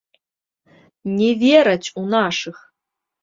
Не вераць у нашых!